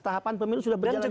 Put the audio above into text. tahapan pemilu sudah berjalan